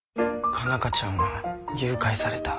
佳奈花ちゃんは誘拐された。